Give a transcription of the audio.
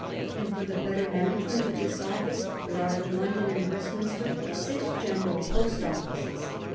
And for the better manaofenient of this office there are in London and Westminster six general post offices